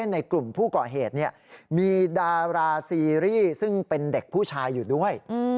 ในกลุ่มผู้ก่อเหตุมีดาราซีรีส์ซึ่งเป็นเด็กผู้ชายอยู่ด้วย